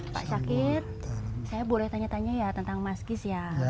pak sakit saya boleh tanya tanya ya tentang mas kis ya